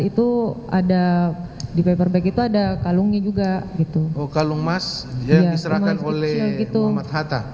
itu ada di paperback itu ada kalungnya juga itu kalung emas yang diserahkan oleh muhammad hatta